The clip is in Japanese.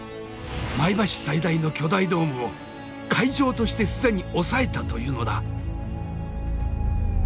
前橋最大の巨大ドームを会場として既におさえたというのだ。